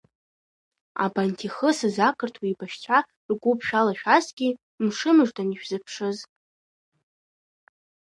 Абанҭ ихысыз ақырҭуа еибашьцәа ргәыԥ шәалашәазҭгьы, мшымыждан ишәзыԥшыз!